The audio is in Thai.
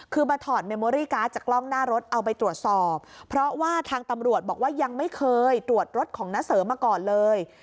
คือมาถอดเมมโอรี่การ์ดจากกล้องหน้ารถเอาไปตรวจสอบเพราะว่าทางตำรวจบอกว่ายังไม่เคยตรวจรถของน้าเสริมมาก่อนเลย